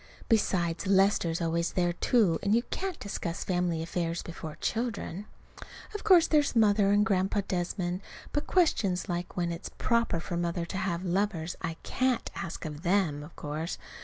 Besides, Lester's always there, too; and you can't discuss family affairs before children. Of course there's Mother and Grandpa Desmond. But questions like when it's proper for Mother to have lovers I can't ask of them, of course.